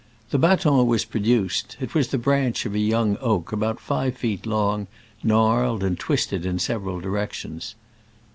The baton was produced : it was a branch of a young oak, about five feet long, gnarled and twisted in several directions.